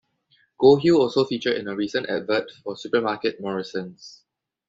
Gold Hill also featured in a recent advert for supermarket Morrisons.